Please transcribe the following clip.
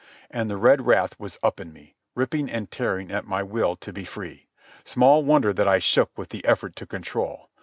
And the red wrath was up in me, ripping and tearing at my will to be free. Small wonder that I shook with the effort to control.